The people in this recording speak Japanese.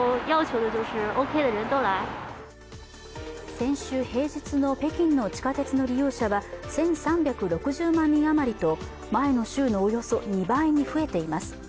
先週平日の北京の地下鉄の利用者は１３６０万人余りと前の週のおよそ２倍に増えています。